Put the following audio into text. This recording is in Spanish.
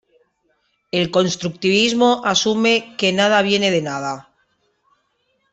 El constructivismo asume que nada viene de nada.